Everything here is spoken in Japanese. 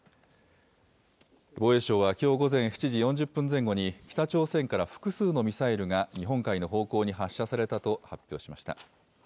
防衛省はきょう午前７時４０分前後に、北朝鮮から複数のミサイルが日本海の方向に発射されたと発表しました。